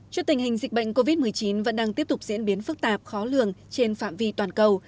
trước tình hình dịch bệnh covid một mươi chín vẫn đang tiếp tục diễn biến phức tạp khó lường trên phạm vi toàn cầu